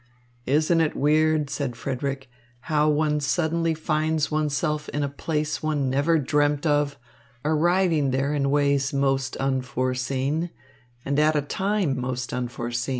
"Isn't it weird," said Frederick, "how one suddenly finds oneself in a place one never dreamt of, arriving there in ways most unforeseen and at a time most unforeseen?